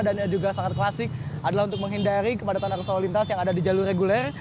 dan juga sangat klasik adalah untuk menghindari kepada para penjaga portal yang ada di jalur reguler